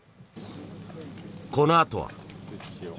このあとは。